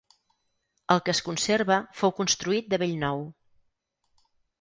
El que es conserva fou construït de bell nou.